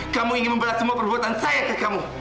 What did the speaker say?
kamu ingin memberat semua perbuatan saya ke kamu